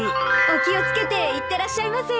お気を付けていってらっしゃいませ。